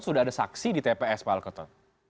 sudah ada saksi di tps pak alkoto